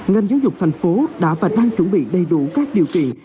ngành giáo dục thành phố đã và đang chuẩn bị đầy đủ các điều kiện